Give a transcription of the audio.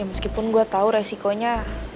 meskipun gue tahu resikonya